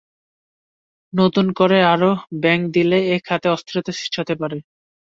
নতুন করে আরও ব্যাংক দিলে এ খাতে অস্থিরতা সৃষ্টি হতে পারে।